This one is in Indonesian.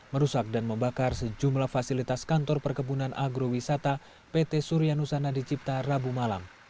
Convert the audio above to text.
merusak dan membakar sejumlah fasilitas kantor perkebunan agrowisata pt surya nusana dicipta rabu malam